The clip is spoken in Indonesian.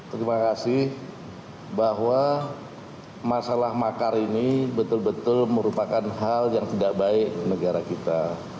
terima kasih bahwa masalah makar ini betul betul merupakan hal yang tidak baik negara kita